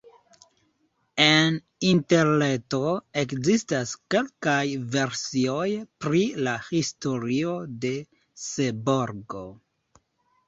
En Interreto ekzistas kelkaj versioj pri la historio de Seborgo.